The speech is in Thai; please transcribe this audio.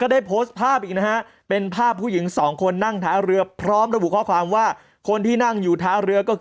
โอ้โฮอีกแล้วเวลาเที่ยงครับ